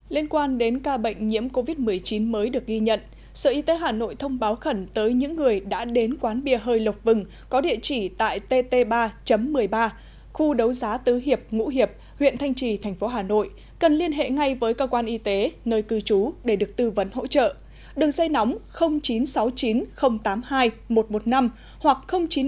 liên quan đến ca bệnh nhiễm covid một mươi chín mới được ghi nhận sở y tế hà nội thông báo khẩn tới những người đã đến quán bia hơi lộc vừng có địa chỉ tại tt ba một mươi ba khu đấu giá tứ hiệp ngũ hiệp huyện thanh trì thành phố hà nội cần liên hệ ngay với cơ quan y tế nơi cư trú để được tư vấn hỗ trợ đừng dây nóng chín trăm sáu mươi chín tám mươi hai một trăm một mươi năm hoặc chín trăm bốn mươi chín ba trăm chín mươi sáu một trăm một mươi năm